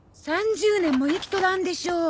３０年も生きとらんでしょ。